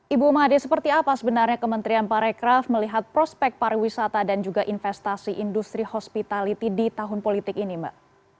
ibu made seperti apa sebenarnya kementerian parekraf melihat prospek pariwisata dan juga investasi industri hospitality di tahun politik ini mbak